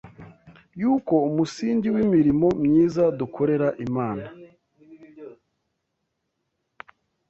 yuko umusingi w’imirimo myiza dukorera Imana